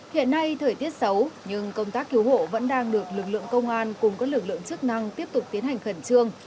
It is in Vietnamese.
hiện nay thời tiết xấu nhưng công tác cứu hộ vẫn đang được lực lượng công an cùng các lực lượng chức năng tiếp tục tiến hành khẩn trương